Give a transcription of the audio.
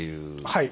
はい。